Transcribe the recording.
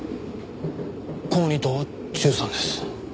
高２と中３です。